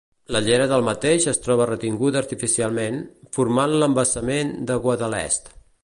La llera del mateix es troba retinguda artificialment, formant l'Embassament de Guadalest.